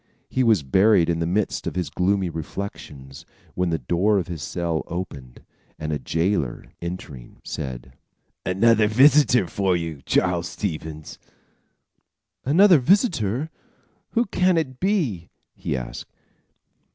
He was buried in the midst of his gloomy reflections, when the door of his cell opened, and a jailer, entering, said: "Another visitor for you, Charles Stevens." "Another visitor? Who can it be?" he asked.